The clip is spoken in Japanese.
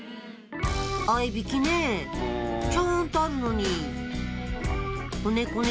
合いびきねちゃんとあるのにこねこね